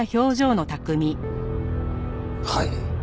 はい。